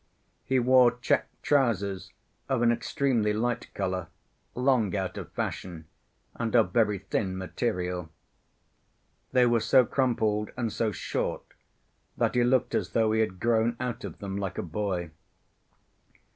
He wore checked trousers of an extremely light color, long out of fashion, and of very thin material. They were so crumpled and so short that he looked as though he had grown out of them like a boy.